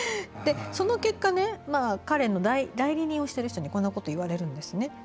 その結果彼の代理人をしてる人にこんなことを言われるんですね。